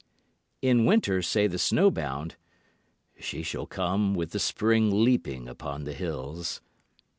In winter say the snow bound, "She shall come with the spring leaping upon the hills."